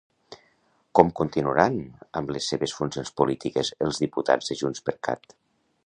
Com continuaran amb les seves funcions polítiques els diputats de JxCat?